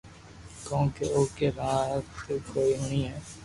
ڪونڪھ او ڪي ري وات ڪوئي ھڻي ھي